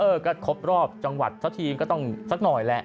ก็ครบรอบจังหวัดสักทีก็ต้องสักหน่อยแหละ